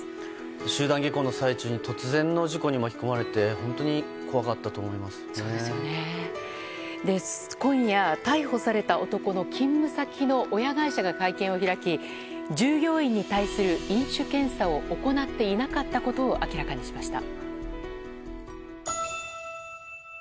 集団下校の最中突然の事故に巻き込まれて今夜、逮捕された男の勤務先の親会社が会見を開き従業員に対する飲酒検査を行っていなかったことを明らかにしました。